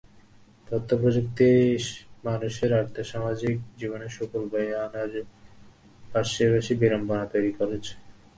তথ্যপ্রযুক্তি মানুষের আর্থসামাজিক জীবনে সুফল বয়ে আনার পাশাশি বিড়ম্বনাও তৈরি করছে।